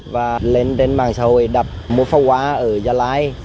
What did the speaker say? và lên trên mạng xã hội đặt mua pháo hoa ở gia lai